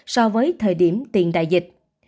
so với thời điểm tiền đại dịch